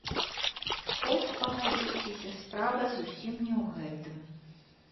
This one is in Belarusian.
Хоць, пагадзіцеся, справа зусім не ў гэтым.